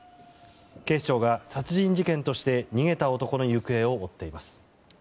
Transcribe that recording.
警視庁が殺人事件として逃げた男の行方を追っています。